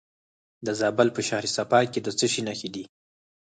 د زابل په شهر صفا کې د څه شي نښې دي؟